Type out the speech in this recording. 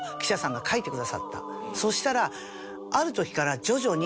そしたら。